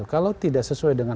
kalau tidak sesuai dengan